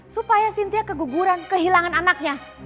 supaya sintia keguguran kehilangan anaknya